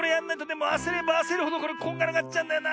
でもあせればあせるほどこれこんがらがっちゃうんだよな。